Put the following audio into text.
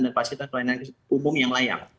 dan fasilitas pelayanan umum yang layak